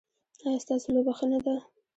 ایا ستاسو لوبه ښه نه ده؟